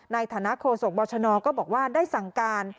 ในฐานะโฆษกบชนก็บอกว่าได้สั่งการ